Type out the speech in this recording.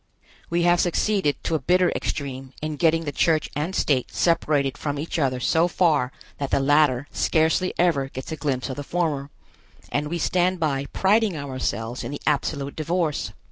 We have succeeded, to a bitter extreme, in getting the church and state separated from each other so far that the latter scarcely ever gets a glimpse of the former, and we stand by priding ourselves in the absolute divorce.